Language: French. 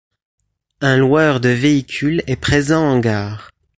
Un loueur de véhicules est présent en gare.